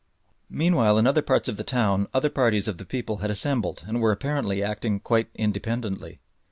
Meanwhile in other parts of the town other parties of the people had assembled and were apparently acting quite independently.